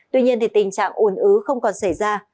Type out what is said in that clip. tuy nhiên tình trạng ồn ứ không còn xảy ra